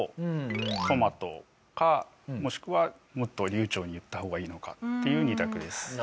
「トマト」かもしくはもっと流暢に言った方がいいのかっていう２択です。